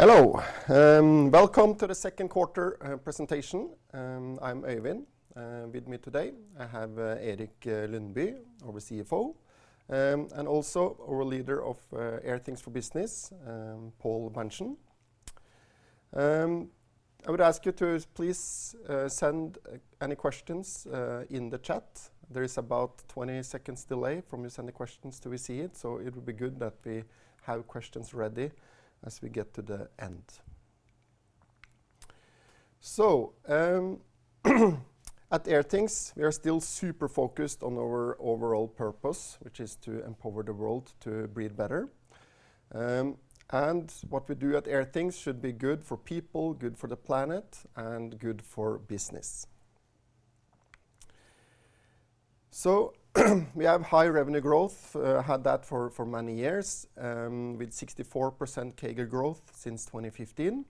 Hello, welcome to the second quarter presentation. I'm Øyvind. With me today, I have Erik Lundby, our CFO, and also our leader of Airthings for Business, Pål Berntsen. I would ask you to please send any questions in the chat. There is about 20 seconds delay from you send the questions till we see it would be good that we have questions ready as we get to the end. At Airthings, we are still super focused on our overall purpose, which is to empower the world to breathe better. What we do at Airthings should be good for people, good for the planet, and good for business. We have high revenue growth. Had that for many years, with 64% CAGR growth since 2015.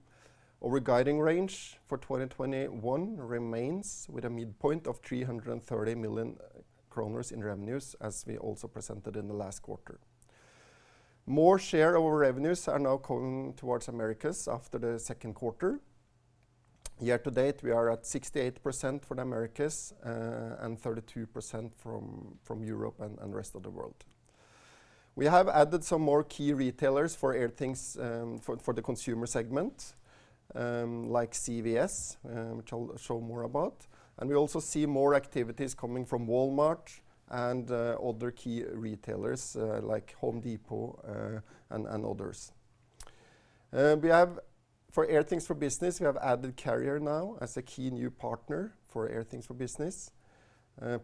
Our guiding range for 2021 remains with a midpoint of 330 million kroner in revenues, as we also presented in the last quarter. More share of our revenues are now coming towards Americas after the second quarter. Year-to-date, we are at 68% for the Americas, and 32% from Europe and rest of the world. We have added some more key retailers for Airthings for the consumer segment, like CVS, which I'll show more about, and we also see more activities coming from Walmart and other key retailers like The Home Depot and others. For Airthings for Business, we have added Carrier now as a key new partner for Airthings for Business.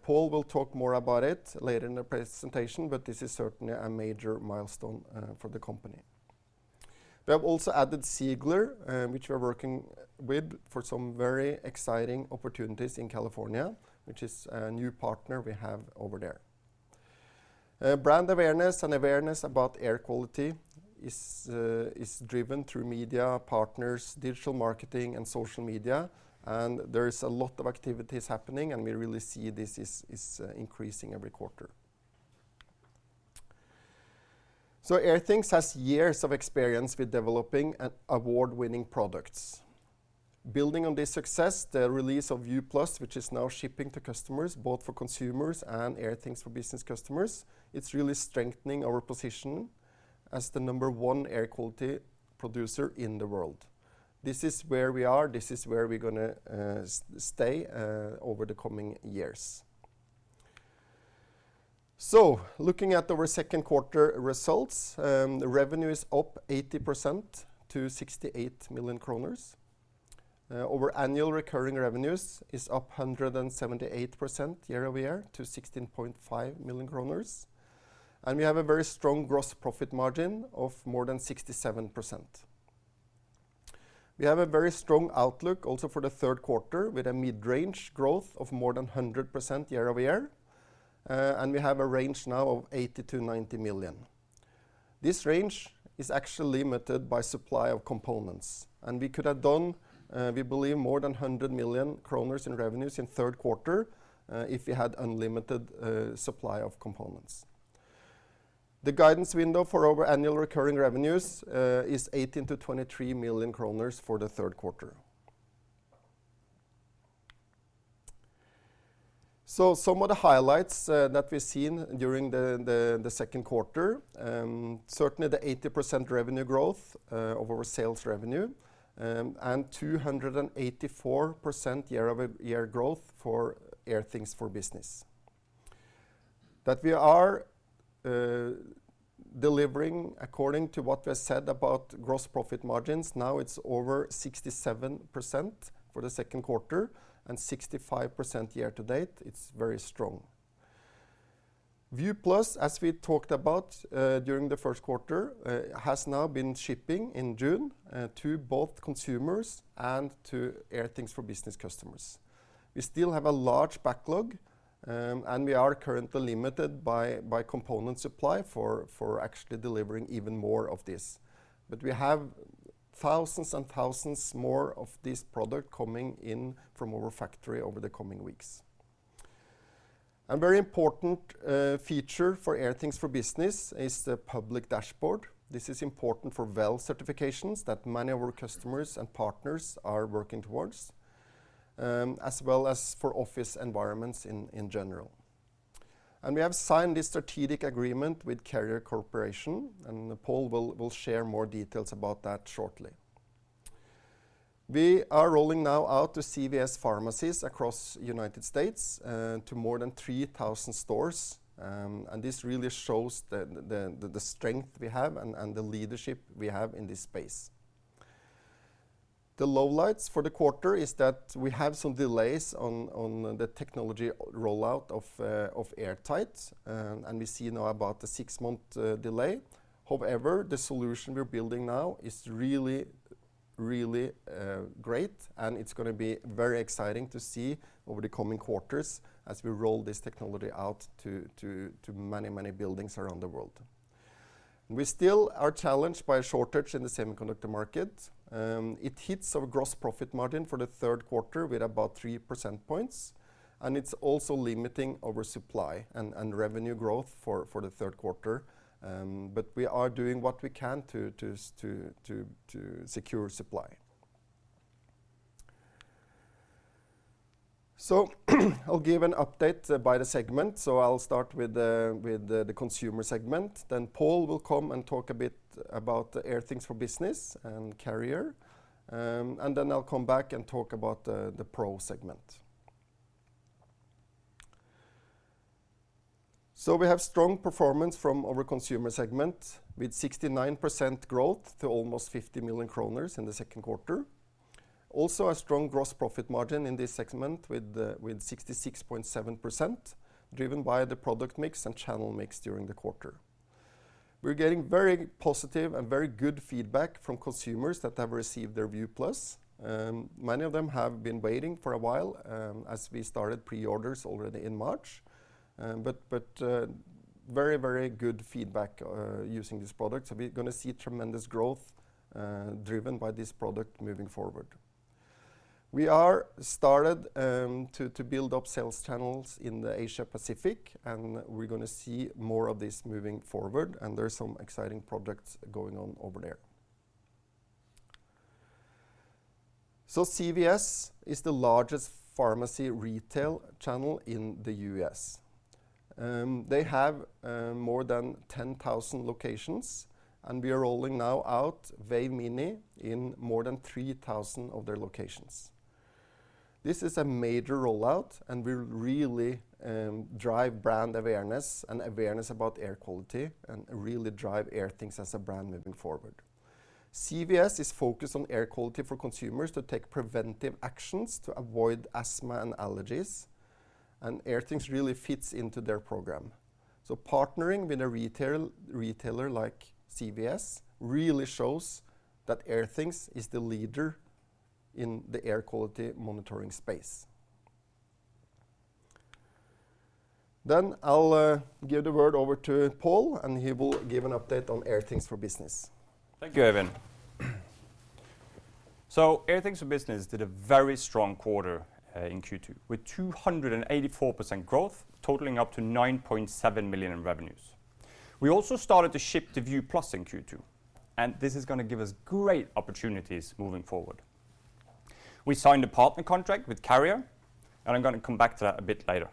Pål will talk more about it later in the presentation, but this is certainly a major milestone for the company. We have also added Sigler, which we are working with for some very exciting opportunities in California, which is a new partner we have over there. Brand awareness and awareness about air quality is driven through media partners, digital marketing and social media, and there is a lot of activities happening, and we really see this is increasing every quarter. Airthings has years of experience with developing award-winning products. Building on this success, the release of View Plus, which is now shipping to customers both for consumers and Airthings for Business customers. It's really strengthening our position as the number one air quality producer in the world. This is where we are, this is where we're going to stay over the coming years. Looking at our second quarter results, the revenue is up 80% to 68 million kroner. Our annual recurring revenues is up 178% year-over-year to 16.5 million kroner. We have a very strong gross profit margin of more than 67%. We have a very strong outlook also for the third quarter, with a mid-range growth of more than 100% year-over-year. We have a range now of 80 million-90 million. This range is actually limited by supply of components, and we could have done, we believe, more than 100 million kroner in revenues in third quarter, if we had unlimited supply of components. The guidance window for our annual recurring revenues is 18 million-23 million kroner for the third quarter. Some of the highlights that we've seen during the second quarter certainly the 80% revenue growth of our sales revenue, and 284% year-over-year growth for Airthings for Business. That we are delivering according to what we have said about gross profit margins. Now it's over 67% for the second quarter and 65% year to date. It's very strong. View Plus, as we talked about during the first quarter, has now been shipping in June, to both consumers and to Airthings for Business customers. We still have a large backlog, and we are currently limited by component supply for actually delivering even more of this. We have thousands and thousands more of this product coming in from our factory over the coming weeks. A very important feature for Airthings for Business is the public dashboard. This is important for WELL certifications that many of our customers and partners are working towards, as well as for office environments in general. We have signed a strategic agreement with Carrier Corporation, and Pål will share more details about that shortly. We are rolling now out to CVS pharmacies across United States, to more than 3,000 stores. This really shows the strength we have and the leadership we have in this space. The lowlights for the quarter is that we have some delays on the technology rollout of Airtight, and we see now about a six-month delay. However, the solution we're building now is really great, and it's going to be very exciting to see over the coming quarters as we roll this technology out to many buildings around the world. We still are challenged by a shortage in the semiconductor market. It hits our gross profit margin for the third quarter with about 3 percentage points, and it's also limiting our supply and revenue growth for the third quarter. We are doing what we can to secure supply. I'll give an update by the segment. I'll start with the consumer segment, then Pål will come and talk a bit about the Airthings for Business and Carrier. I'll come back and talk about the Pro segment. We have strong performance from our consumer segment, with 69% growth to almost 50 million kroner in the second quarter. Also a strong gross profit margin in this segment with 66.7%, driven by the product mix and channel mix during the quarter. We're getting very positive and very good feedback from consumers that have received their View Plus. Many of them have been waiting for a while as we started pre-orders already in March. Very good feedback using this product. We're going to see tremendous growth, driven by this product moving forward. We are started to build up sales channels in the Asia-Pacific. We're going to see more of this moving forward. There's some exciting projects going on over there. CVS is the largest pharmacy retail channel in the U.S. They have more than 10,000 locations. We are rolling now out Wave Mini in more than 3,000 of their locations. This is a major rollout. We really drive brand awareness and awareness about air quality, and really drive Airthings as a brand moving forward. CVS is focused on air quality for consumers to take preventive actions to avoid asthma and allergies. Airthings really fits into their program. Partnering with a retailer like CVS really shows that Airthings is the leader in the air quality monitoring space. I'll give the word over to Pål, and he will give an update on Airthings for Business. Thank you, Øyvind. Airthings for Business did a very strong quarter in Q2, with 284% growth totaling up to 9.7 million in revenues. We also started to ship the View Plus in Q2, this is going to give us great opportunities moving forward. We signed a partner contract with Carrier. I'm going to come back to that a bit later.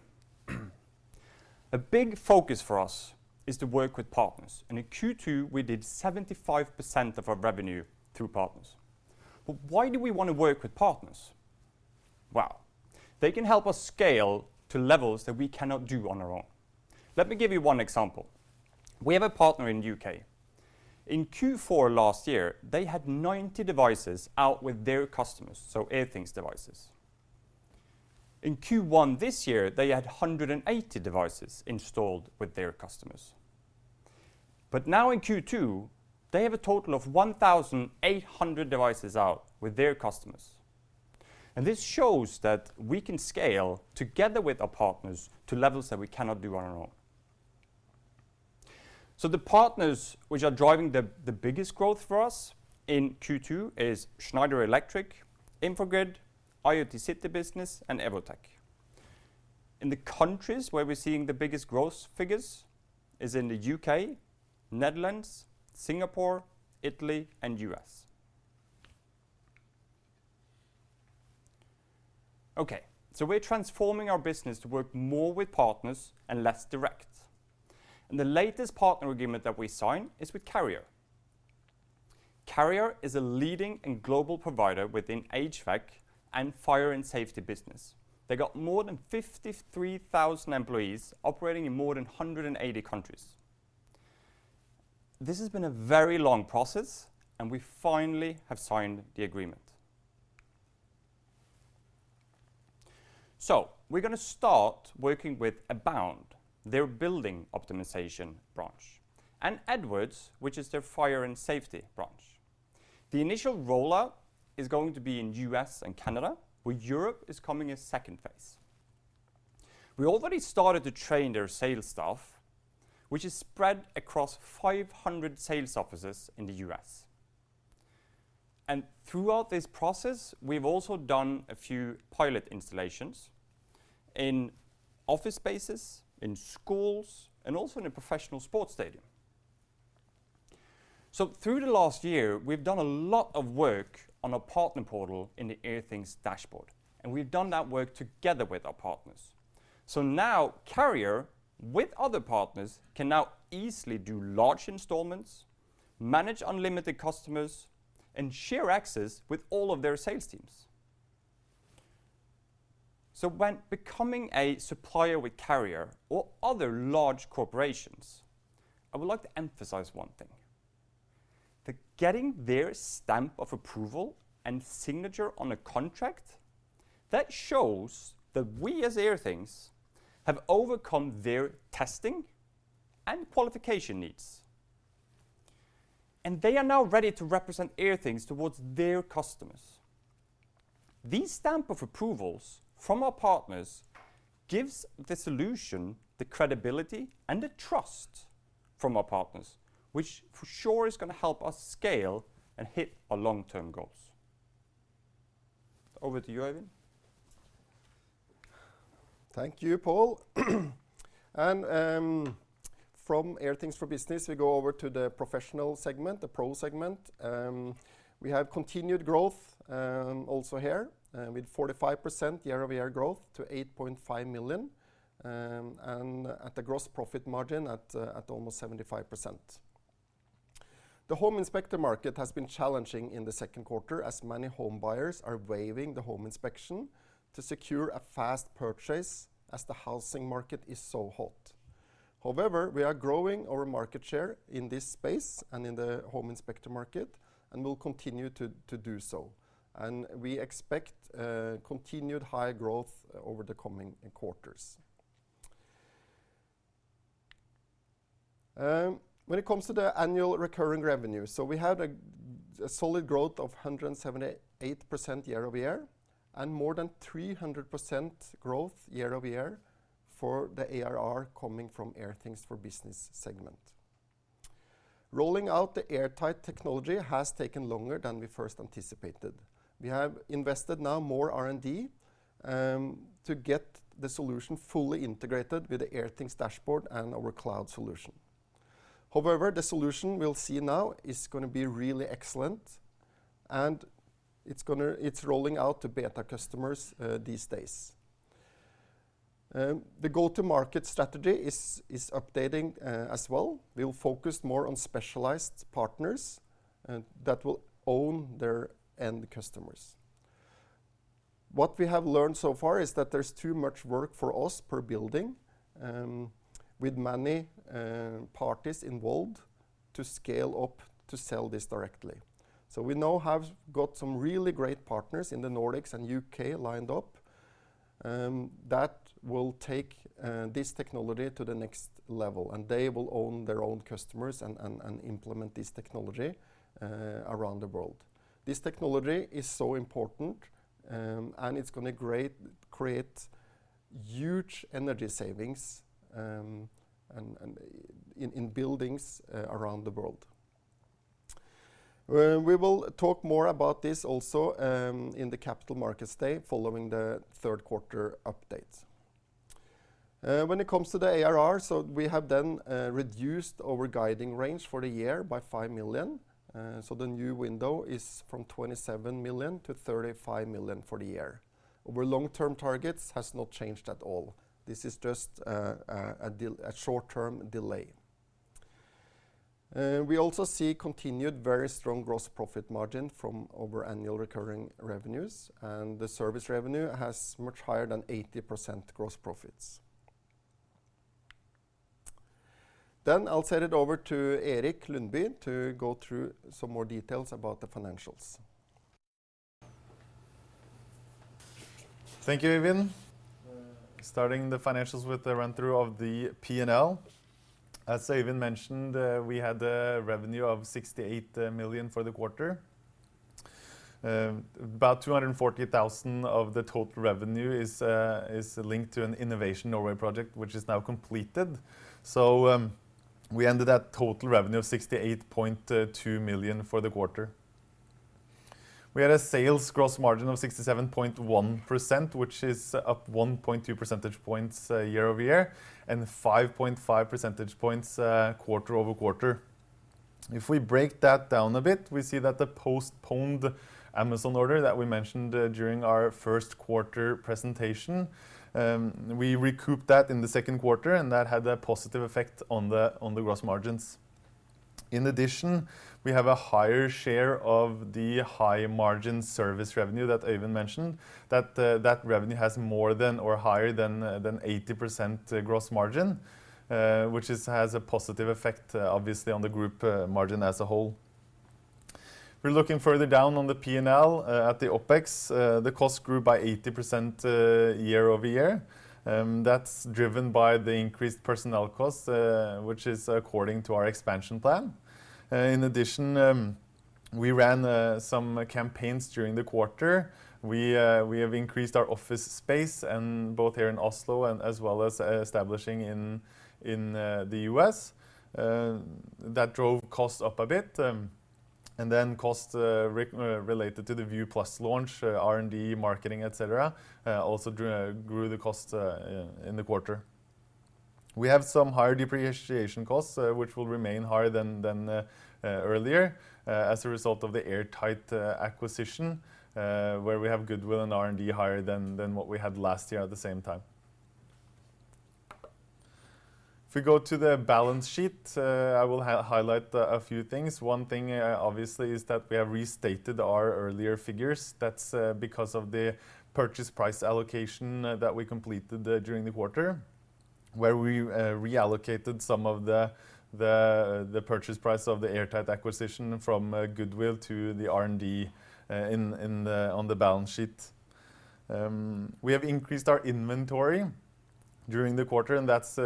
A big focus for us is to work with partners; in Q2 we did 75% of our revenue through partners. Why do we want to work with partners? Well, they can help us scale to levels that we cannot do on our own. Let me give you one example. We have a partner in U.K. In Q4 last year, they had 90 devices out with their customers, so Airthings devices. In Q1 this year, they had 180 devices installed with their customers. Now in Q2, they have a total of 1,800 devices out with their customers. This shows that we can scale together with our partners to levels that we cannot do on our own. The partners which are driving the biggest growth for us in Q2 is Schneider Electric, Infogrid, IoT City Business, and Evotech. In the countries where we're seeing the biggest growth figures is in the U.K., Netherlands, Singapore, Italy, and U.S. We're transforming our business to work more with partners and less direct. The latest partner agreement that we sign is with Carrier. Carrier is a leading and global provider within HVAC and fire and safety business. They got more than 53,000 employees operating in more than 180 countries. This has been a very long process, and we finally have signed the agreement. We're going to start working with Abound, their building optimization branch. Edwards, which is their fire and safety branch. The initial rollout is going to be in U.S. and Canada, with Europe is coming as second phase. We already started to train their sales staff, which is spread across 500 sales offices in the U.S. Throughout this process, we've also done a few pilot installations in office spaces, in schools, and also in a professional sports stadium. Through the last year, we've done a lot of work on a partner portal in the Airthings Dashboard, and we've done that work together with our partners. Now Carrier, with other partners, can now easily do large installments, manage unlimited customers, and share access with all of their sales teams. When becoming a supplier with Carrier or other large corporations, I would like to emphasize one thing. That getting their stamp of approval and signature on a contract, that shows that we, as Airthings, have overcome their testing and qualification needs. They are now ready to represent Airthings towards their customers. These stamp of approvals from our partners gives the solution the credibility and the trust from our partners, which for sure is going to help us scale and hit our long-term goals. Over to you, Øyvind. Thank you, Pål. From Airthings for Business, we go over to the professional segment, the Pro segment. We have continued growth also here with 45% year-over-year growth to 8.5 million, and at a gross profit margin at almost 75%. The home inspector market has been challenging in the second quarter, as many home buyers are waiving the home inspection to secure a fast purchase, as the housing market is so hot. However, we are growing our market share in this space and in the home inspector market, and will continue to do so. We expect continued high growth over the coming quarters. When it comes to the annual recurring revenue, we had a solid growth of 178% year-over-year and more than 300% growth year-over-year for the ARR coming from Airthings for Business segment. Rolling out the Airtight technology has taken longer than we first anticipated. We have invested now more R&D to get the solution fully integrated with the Airthings Dashboard and our cloud solution. However, the solution we'll see now is going to be really excellent, and it's rolling out to beta customers these days. The go-to-market strategy is updating as well. We'll focus more on specialized partners that will own their end customers. What we have learned so far is that there's too much work for us per building, with many parties involved, to scale up to sell this directly. We now have got some really great partners in the Nordics and U.K. lined up that will take this technology to the next level, and they will own their own customers and implement this technology around the world. This technology is so important, and it's going to create huge energy savings in buildings around the world. We will talk more about this also in the Capital Markets Day following the third quarter updates. When it comes to the ARR, we have reduced our guiding range for the year by 5 million. The new window is from 27 million-35 million for the year. Our long-term targets has not changed at all. This is just a short-term delay. We also see continued very strong gross profit margin from our annual recurring revenues, and the service revenue has much higher than 80% gross profits. I'll send it over to Erik Lundby to go through some more details about the financials. Thank you, Øyvind. Starting the financials with a run-through of the P&L. As Øyvind mentioned, we had a revenue of 68 million for the quarter. About 240,000 of the total revenue is linked to an Innovation Norway project, which is now completed. We ended at total revenue of 68.2 million for the quarter. We had a sales gross margin of 67.1%, which is up 1.2 percentage points year-over-year and 5.5 percentage points quarter-over-quarter. If we break that down a bit, we see that the postponed Amazon order that we mentioned during our first quarter presentation, we recouped that in the second quarter, and that had a positive effect on the gross margins. In addition, we have a higher share of the high-margin service revenue that Øyvind mentioned. That revenue has more than or higher than 80% gross margin, which has a positive effect, obviously, on the group margin as a whole. If we're looking further down on the P&L at the OpEx, the cost grew by 80% year-over-year. That's driven by the increased personnel cost, which is according to our expansion plan. In addition, we ran some campaigns during the quarter. We have increased our office space, both here in Oslo as well as establishing in the U.S. That drove cost up a bit. Cost related to the View Plus launch, R&D, marketing, et cetera, also grew the cost in the quarter. We have some higher depreciation costs, which will remain higher than earlier as a result of the Airtight acquisition, where we have goodwill and R&D higher than what we had last year at the same time. If we go to the balance sheet, I will highlight a few things. One thing, obviously, is that we have restated our earlier figures. That's because of the purchase price allocation that we completed during the quarter, where we reallocated some of the purchase price of the Airtight acquisition from goodwill to the R&D on the balance sheet. We have increased our inventory during the quarter, that's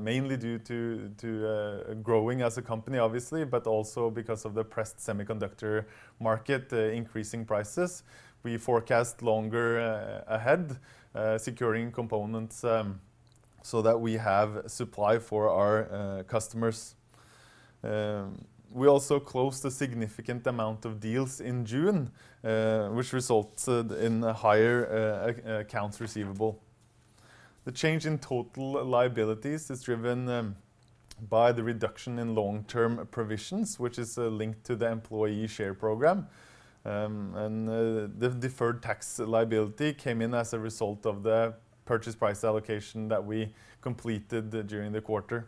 mainly due to growing as a company, obviously, but also because of the pressed semiconductor market increasing prices. We forecast longer ahead, securing components so that we have supply for our customers. We also closed a significant amount of deals in June, which resulted in higher accounts receivable. The change in total liabilities is driven by the reduction in long-term provisions, which is linked to the employee share program. The deferred tax liability came in as a result of the purchase price allocation that we completed during the quarter.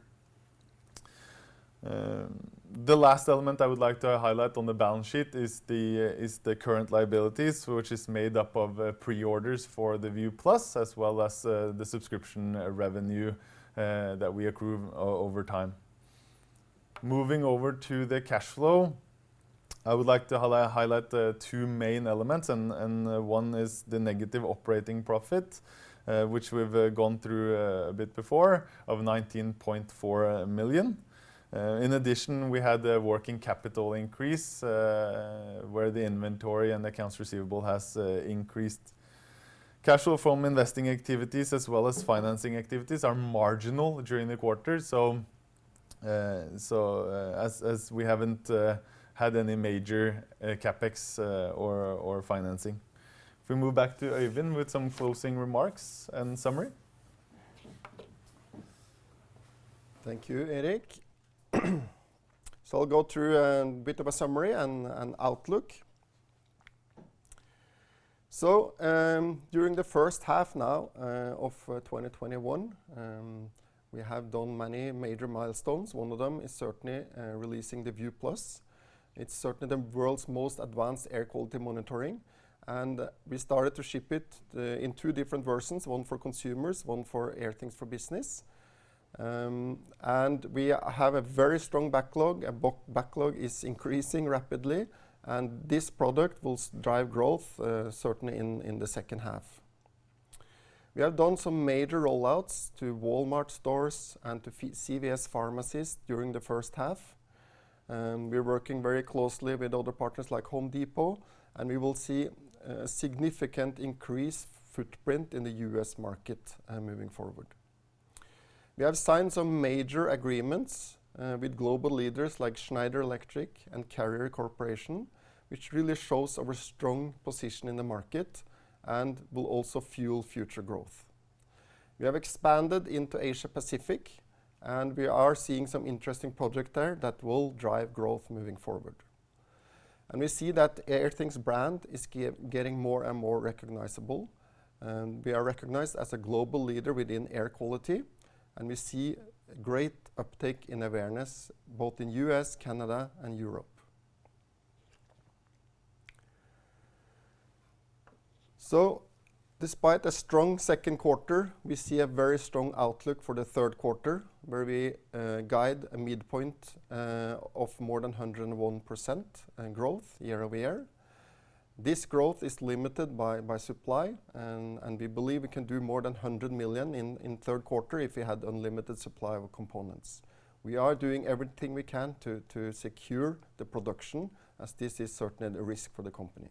The last element I would like to highlight on the balance sheet is the current liabilities, which is made up of pre-orders for the View Plus, as well as the subscription revenue that we accrue over time. Moving over to the cash flow, I would like to highlight the two main elements, and one is the negative operating profit, which we've gone through a bit before, of 19.4 million. In addition, we had a working capital increase, where the inventory and accounts receivable has increased. Cash flow from investing activities, as well as financing activities are marginal during the quarter, as we haven't had any major CapEx or financing. If we move back to Øyvind with some closing remarks and summary. Thank you, Erik. I'll go through a bit of a summary and outlook. During the first half now of 2021, we have done many major milestones. One of them is certainly releasing the View Plus. It's certainly the world's most advanced air quality monitoring, and we started to ship it in two different versions, one for consumers, one for Airthings for Business. We have a very strong backlog. Backlog is increasing rapidly, and this product will drive growth certainly in the second half. We have done some major rollouts to Walmart stores and to CVS pharmacies during the first half. We're working very closely with other partners like Home Depot, and we will see a significant increased footprint in the U.S. market moving forward. We have signed some major agreements with global leaders like Schneider Electric and Carrier Corporation, which really shows our strong position in the market and will also fuel future growth. We have expanded into Asia-Pacific, and we are seeing some interesting project there that will drive growth moving forward. We see that Airthings brand is getting more and more recognizable, and we are recognized as a global leader within air quality, and we see great uptake in awareness both in U.S., Canada, and Europe. Despite a strong second quarter, we see a very strong outlook for the third quarter, where we guide a midpoint of more than 101% in growth year-over-year. This growth is limited by supply, and we believe we can do more than 100 million in third quarter if we had unlimited supply of components. We are doing everything we can to secure the production, as this is certainly a risk for the company.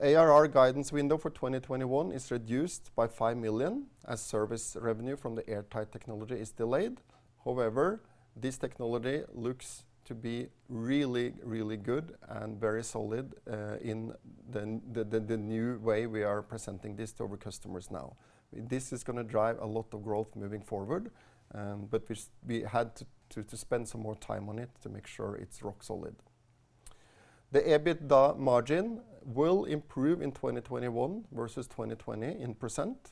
ARR guidance window for 2021 is reduced by 5 million, as service revenue from the Airtight technology is delayed. This technology looks to be really, really good and very solid in the new way we are presenting this to our customers now. This is going to drive a lot of growth moving forward, but we had to spend some more time on it to make sure it's rock solid. The EBITDA margin will improve in 2021 versus 2020 in percent,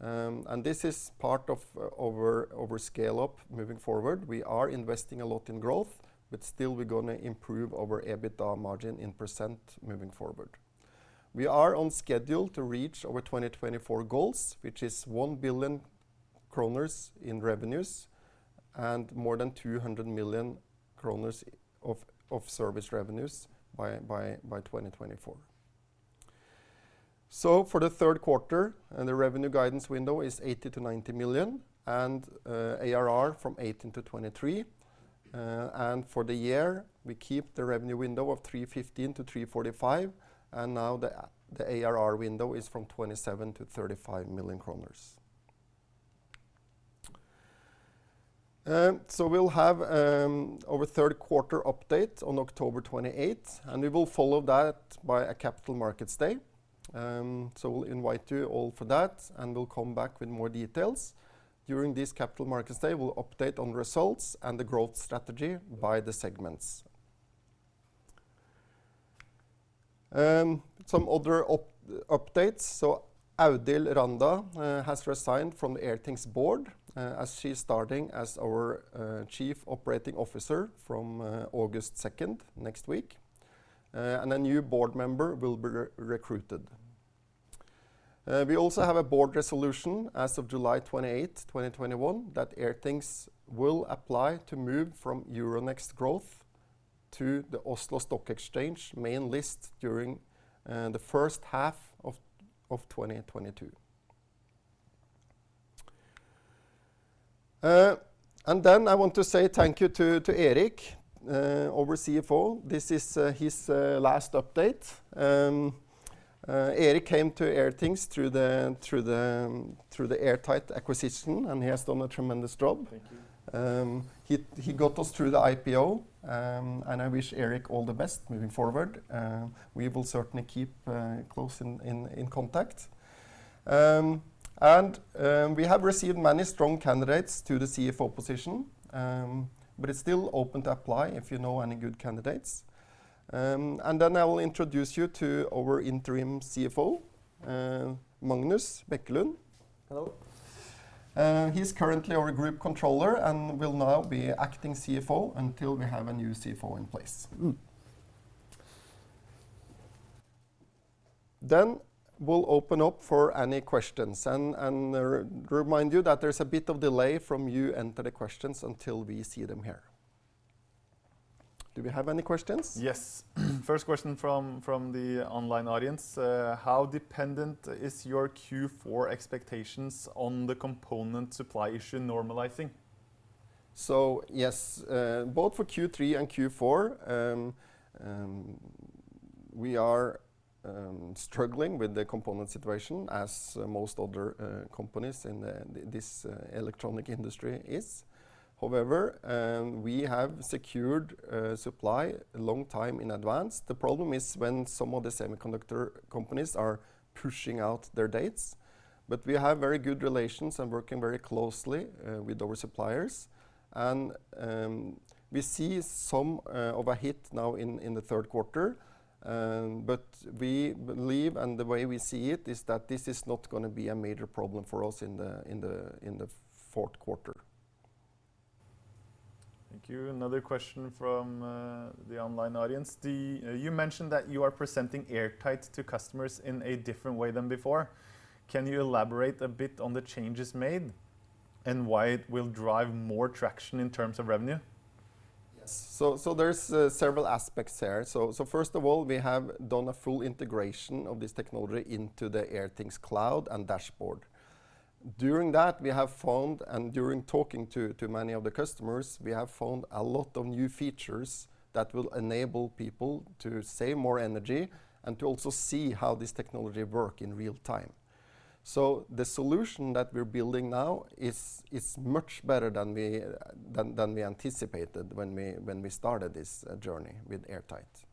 and this is part of our scale-up moving forward. We are investing a lot in growth, but still we're going to improve our EBITDA margin in percent moving forward. We are on schedule to reach our 2024 goals, which is 1 billion kroner in revenues and more than 200 million kroner of service revenues by 2024. For the third quarter, the revenue guidance window is 80 million-90 million and ARR from 18 million-23 million. For the year, we keep the revenue window of 315 million-345 million, and now the ARR window is from 27 million-35 million kroner. We'll have our third quarter update on October 28th, and we will follow that by a Capital Markets Day. We'll invite you all for that, and we'll come back with more details. During this Capital Markets Day, we'll update on results and the growth strategy by the segments. Some other updates. Audhild Randa has resigned from Airthings' board, as she's starting as our Chief Operating Officer from August 2nd, next week, and a new board member will be recruited. We also have a board resolution as of July 28th, 2021, that Airthings will apply to move from Euronext Growth to the Oslo Stock Exchange main list during the first half of 2022. I want to say thank you to Erik, our CFO. This is his last update. Erik came to Airthings through the Airtight acquisition, and he has done a tremendous job. Thank you. He got us through the IPO, and I wish Erik all the best moving forward. We will certainly keep close in contact. We have received many strong candidates to the CFO position, but it's still open to apply if you know any good candidates. Then I will introduce you to our interim CFO, Magnus Bekkelund. He's currently our group controller and will now be acting CFO until we have a new CFO in place. We'll open up for any questions and remind you that there's a bit of delay from you enter the questions until we see them here. Do we have any questions? Yes. First question from the online audience. "How dependent is your Q4 expectations on the component supply issue normalizing? Yes, both for Q3 and Q4, we are struggling with the component situation as most other companies in this electronic industry is. However, we have secured supply a long time in advance. The problem is when some of the semiconductor companies are pushing out their dates. We have very good relations and working very closely with our suppliers. We see some of a hit now in the third quarter. We believe, and the way we see it, is that this is not going to be a major problem for us in the fourth quarter. Thank you. Another question from the online audience: "You mentioned that you are presenting Airtight to customers in a different way than before. Can you elaborate a bit on the changes made and why it will drive more traction in terms of revenue? Yes. There's several aspects there. First of all, we have done a full integration of this technology into the Airthings Cloud and Dashboard. During that, we have found, and during talking to many of the customers, we have found a lot of new features that will enable people to save more energy and to also see how this technology work in real time. The solution that we're building now is much better than we anticipated when we started this journey with Airtight.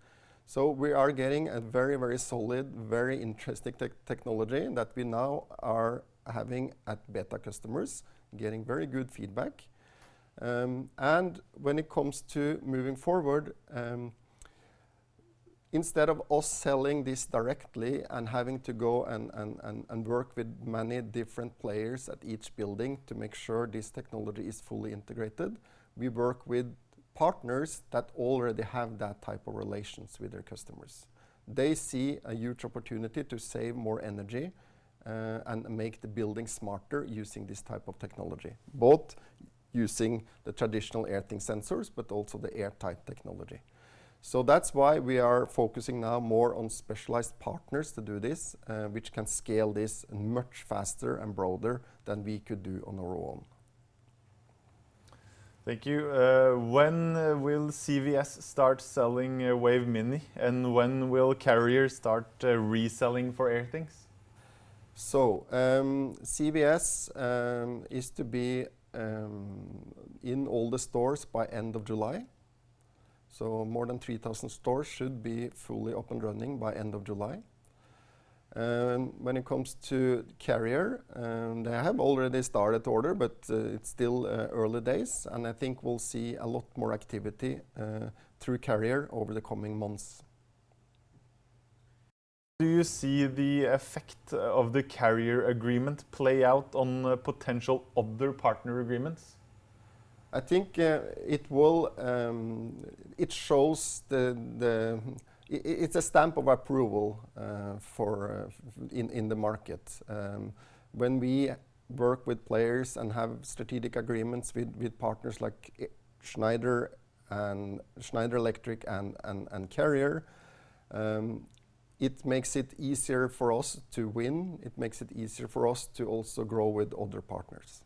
We are getting a very solid, very interesting technology that we now are having at beta customers, getting very good feedback. When it comes to moving forward, instead of us selling this directly and having to go and work with many different players at each building to make sure this technology is fully integrated, we work with partners that already have that type of relations with their customers. They see a huge opportunity to save more energy, and make the building smarter using this type of technology, both using the traditional Airthings sensors, but also the Airtight technology. That's why we are focusing now more on specialized partners to do this, which can scale this much faster and broader than we could do on our own. Thank you. When will CVS start selling Wave Mini, and when will Carrier start reselling for Airthings? CVS is to be in all the stores by end of July. More than 3,000 stores should be fully up and running by end of July. When it comes to Carrier, they have already started to order, but it's still early days, and I think we'll see a lot more activity through Carrier over the coming months. Do you see the effect of the Carrier agreement play out on potential other partner agreements? I think it's a stamp of approval in the market. When we work with players and have strategic agreements with partners like Schneider Electric and Carrier, it makes it easier for us to win. It makes it easier for us to also grow with other partners.